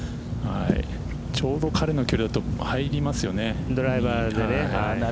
ちょうど彼の距離だと入りますよね。